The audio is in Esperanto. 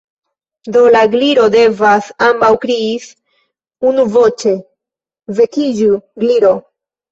"Do, la Gliro devas," ambaŭ kriis unuvoĉe. "Vekiĝu, Gliro!"